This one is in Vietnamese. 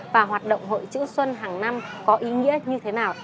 và hoạt động hội chữ xuân hàng năm có ý nghĩa như thế nào